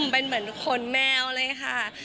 เป็นเหมือนขนแมวเลยค่ะ